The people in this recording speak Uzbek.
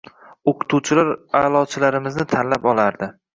Oʻqituvchilar aʼlochilarimizni tanlab olardi.